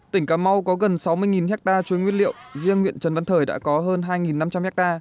tỉnh cà mau có gần sáu mươi ha chuối nguyên liệu riêng huyện trần văn thời đã có hơn hai năm trăm linh ha